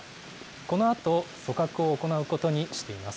このあと組閣を行うことにしています。